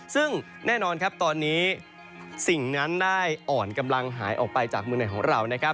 ซึ่งแน่นอนครับตอนนี้สิ่งนั้นได้อ่อนกำลังหายออกไปจากเมืองไหนของเรานะครับ